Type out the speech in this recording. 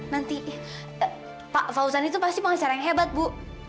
nanti pak fauzan itu pasti pengacara yang hebat bu